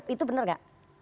itu bener nggak